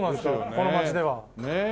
この街では。